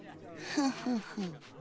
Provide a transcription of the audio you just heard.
フフフ。